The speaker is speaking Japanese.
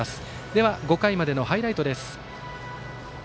では、５回までのハイライトです。